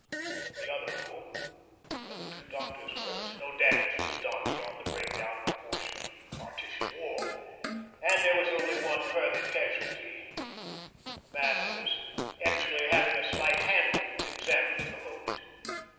In the other room, where the two doctors worked, no damage was done beyond the breakdown of a portion of the partition wall, and there was only one further casualty a man who was actually having a slight hand wound examined at the moment.